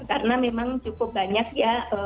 karena memang cukup banyak ya